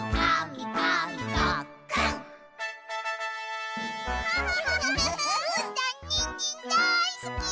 たんにんじんだいすき！